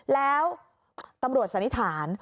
แล้วตำรวจสันนิษฐาน